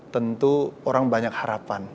tentu orang banyak harapan